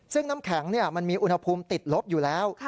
ซึ่งน้ำแข็งมันมีอุณหภูมิติดลบอยู่แล้ว